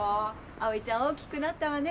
葵ちゃん大きくなったわね。